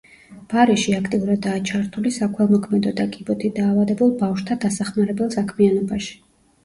ბარიში აქტიურადაა ჩართული საქველმოქმედო და კიბოთი დაავადებულ ბავშვთა დასახმარებელ საქმიანობაში.